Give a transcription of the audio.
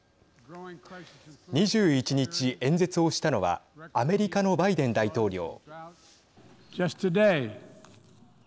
２１日、演説をしたのはアメリカのバイデン大統領。